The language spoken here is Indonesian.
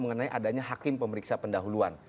mengenai adanya hakim pemeriksa pendahuluan